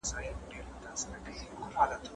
هغه ځای چې موږ پکې اوسېدو، ډېر ارام و.